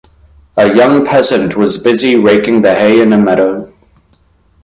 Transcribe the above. A young peasant was busy raking the hay in a meadow.